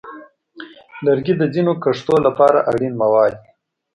لرګي د ځینو کښتو لپاره اړین مواد دي.